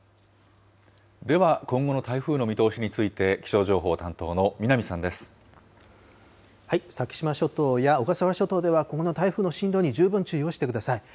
では今後の台風の見通しについて、先島諸島や小笠原諸島では、今後の台風の進路に十分注意をしてください。